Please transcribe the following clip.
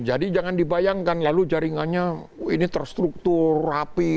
jadi jangan dibayangkan lalu jaringannya ini terstruktur rapi